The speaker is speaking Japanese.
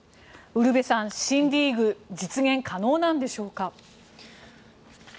ウルヴェさん、新リーグは実現可能なんでしょうか。